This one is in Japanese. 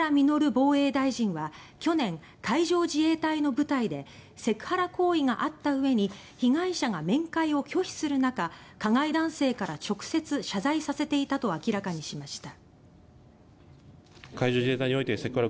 防衛大臣は去年、海上自衛隊の部隊でセクハラ行為があったうえに被害者が面会を拒否する中加害男性から直接謝罪させていたと明らかにしました。